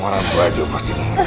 orang tua juga pasti mengendalikan dia